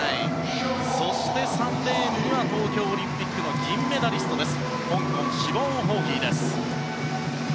そして３レーンには東京オリンピックの銀メダリスト香港、シボーン・ホーヒーです。